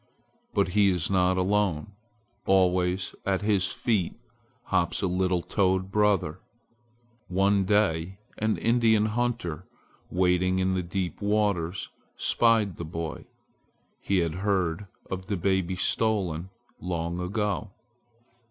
But he is not alone. Always at his feet hops a little toad brother. One day an Indian hunter, wading in the deep waters, spied the boy. He had heard of the baby stolen long ago.